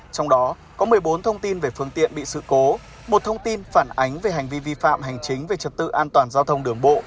trong đó có một mươi bốn thông tin về phương tiện bị sự cố một thông tin phản ánh về hành vi vi phạm hành chính về trật tự an toàn giao thông đường bộ